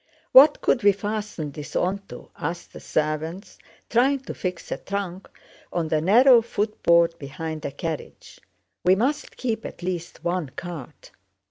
"What could we fasten this onto?" asked the servants, trying to fix a trunk on the narrow footboard behind a carriage. "We must keep at least one cart."